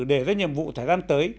để ra nhiệm vụ thời gian tới